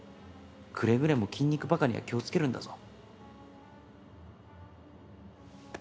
くれぐれも筋肉バカには気をつけるんだぞ。